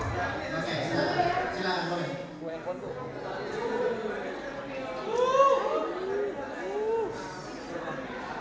saudara saksi membawa mou enggak